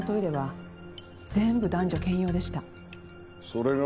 それが？